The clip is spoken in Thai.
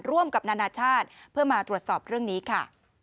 ร่วมกับนานาชาติเพื่อมาตรวจสอบเรื่องนี้ค่ะ